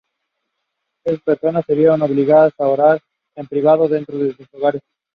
Esas personas se vieron obligadas a orar en privado, dentro de sus hogares.